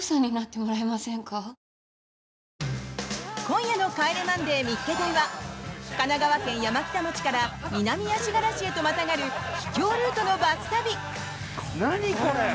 今夜の「帰れマンデー見っけ隊！！」は神奈川県山北町から南足柄市へとまたがる秘境ルートのバス旅。